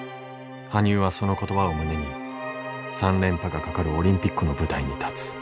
羽生はその言葉を胸に３連覇がかかるオリンピックの舞台に立つ。